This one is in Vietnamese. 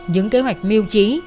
những kế hoạch miêu trí